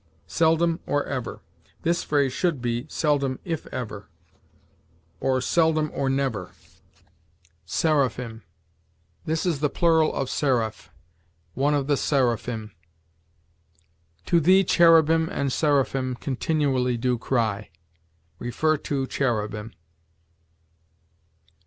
SELDOM OR EVER. This phrase should be "seldom if ever," or "seldom or never." SERAPHIM. This is the plural of seraph. "One of the seraphim." "To Thee cherubim and seraphim continually do cry." See CHERUBIM.